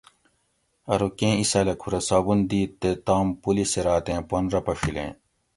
ارو کیں اِیساۤلہ کُھورہ صابن دیت تے تام پلِ صراطیں پن رہ پڛیلیں